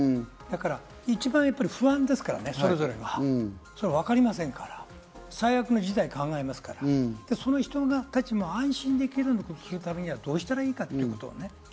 一番不安ですからね、それぞれがわかりませんから、最悪の事態を考えますから、そういう人たちも安心できるようにするにはどうしたらいいのかということです。